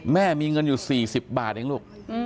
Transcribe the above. แม่มีเงินอยู่๔๐บาทเองลูก